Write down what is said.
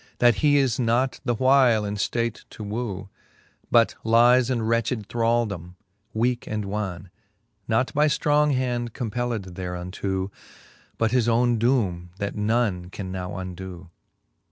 That he is not the while in ftate to woo ; But lies in wretched thraldome, weake and wan, Not by ftrong hand compelled thereunto. But his owne doome, that none can now undoo.